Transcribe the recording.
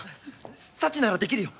サチならできるよ。